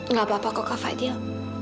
nggak apa apa kok kak fadil